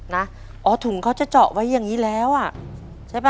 อ๋อถุงเขาจะเจาะไว้อย่างนี้แล้วอ่ะใช่ป่ะ